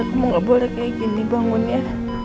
kamu gak boleh kayak gini bangun ya